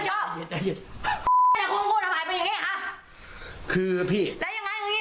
คุณปุ้ยอายุ๓๒นางความร้องไห้พูดคนเดี๋ยว